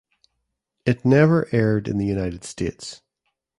It never aired in the United States.